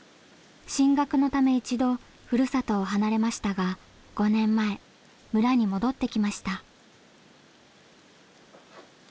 進学のため一度ふるさとを離れましたが５年前村に戻ってきました。